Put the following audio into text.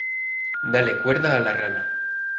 Dale cuerda a la rana.